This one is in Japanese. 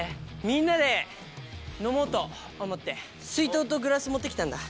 みんなで飲もうと思って水筒とグラス持って来たんだ。